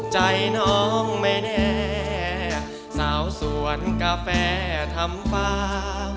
ใจน้องไม่แน่สาวสวนกาแฟทำฟ้า